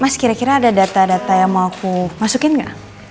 mas kira kira ada data data yang mau aku masukin nggak